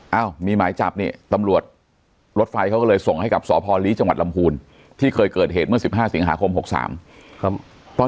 เอ๊ะมีหมายจับตำรวจรถไฟเขาก็เลยส่งให้กับสพลิจลำพูน